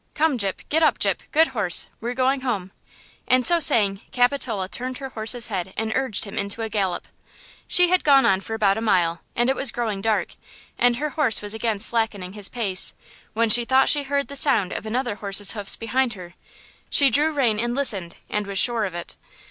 Come, Gyp, get up, Gyp, good horse; we're going home." And so saying, Capitola turned her horse's head and urged him into a gallop. She had gone on for about a mile, and it was growing dark, and her horse was again slackening his pace, when she thought she heard the sound of another horse's hoofs behind her. She drew rein and listened, and was sure of it.